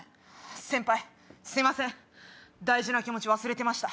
先輩すいません大事な気持ち忘れてました。